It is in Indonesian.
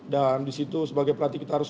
dan disitu sebagai pelatih kita harus